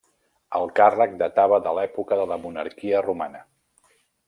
El càrrec datava de l'època de la monarquia romana.